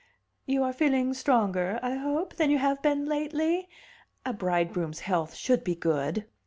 "You are feeling stronger, I hope, than you have been lately? A bridegroom's health should be good."